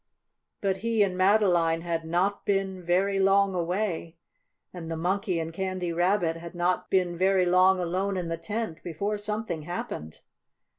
But he and Madeline had not been very long away, and the Monkey and Candy Rabbit had not been very long alone in the tent, before something happened.